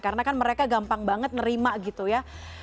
karena kan mereka gampang banget nerima gitu ya